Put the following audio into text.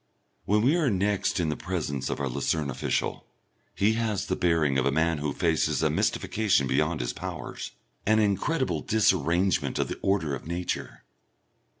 When we are next in the presence of our Lucerne official, he has the bearing of a man who faces a mystification beyond his powers, an incredible disarrangement of the order of Nature.